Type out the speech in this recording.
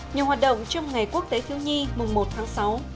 nhiều hoạt động trong ngày quốc tế thiếu nhi mùng một tháng sáu